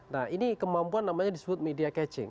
nah ini kemampuan namanya disebut media catching